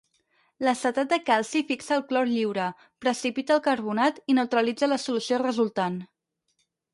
L'acetat de calci fixa el clor lliure, precipita el carbonat i neutralitza la solució resultant.